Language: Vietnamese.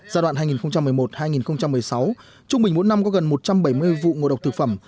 giai đoạn hai nghìn một mươi một hai nghìn một mươi sáu trung bình mỗi năm có gần một trăm bảy mươi vụ ngộ độc thực phẩm